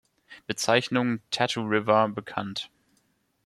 Bezeichnung Tatu River bekannt.